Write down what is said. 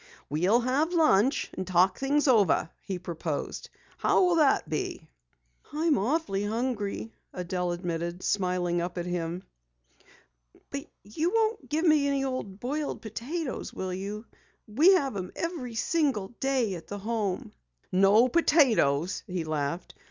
"We'll have lunch and talk things over," he proposed. "How will that be?" "I'm awful hungry," Adelle admitted, smiling up at him. "But you won't give me any old boiled potatoes, will you? We have 'em every single day at the Home." "No potatoes," he laughed.